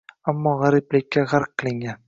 Ammo g‘ariblikka g‘arq qilingan.